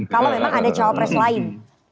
kalau memang ada cawapres lain